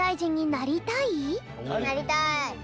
なりたい。